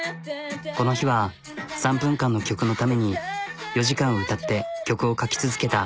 この日は３分間の曲のために４時間歌って曲を書き続けた。